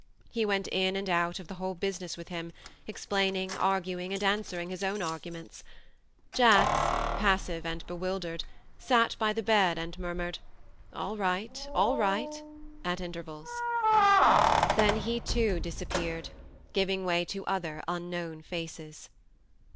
He went in and out of the whole business with him, explaining, arguing, and answering his own arguments. Jacks, passive and bewildered, sat by the bed and murmured :" All right all right" at intervals. Then he too 134 THE MARNE disappeared, giving way to other un known faces.